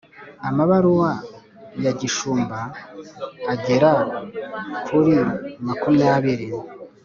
amabaruwa ya gishumba agera kurimakumyabiri